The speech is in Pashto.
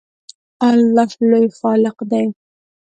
الله لوی خالق دی